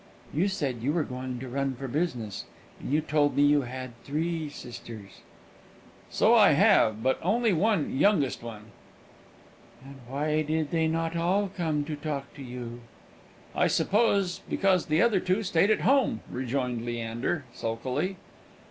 "You said you were going to run for business, and you told me you had three sisters." "So I have; but only one youngest one." "And why did they not all come to talk with you?" "I suppose because the other two stayed at home," rejoined Leander, sulkily.